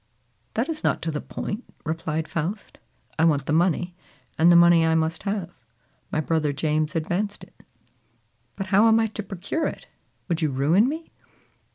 "That is not to the point," replied Faust. "I want the money, and the money I must have. My brother James advanced it." "But how am I to procure it? Would you ruin me?"